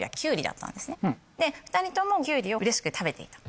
で２人ともきゅうりをうれしく食べていた。